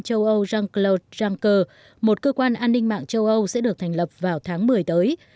châu âu jean claude juncker một cơ quan an ninh mạng châu âu sẽ được thành lập vào tháng một mươi tới